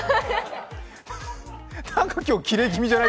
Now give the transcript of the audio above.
なんか今日、キレ気味じゃない？